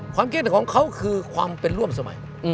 คิดของเขาคือความเป็นร่วมสมัย